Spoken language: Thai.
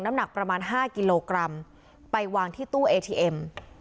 น้ำหนักประมาณ๕กิโลกรัมไปวางที่ตู้เอทีเอ็ม